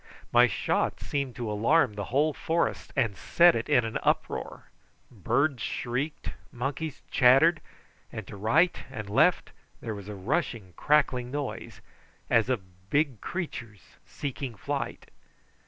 My shot seemed to alarm the whole forest and set it in an uproar: birds shrieked, monkeys chattered, and to right and left there was a rushing crackling noise, as of big creatures seeking flight.